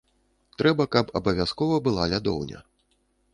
Трэба, каб абавязкова была лядоўня.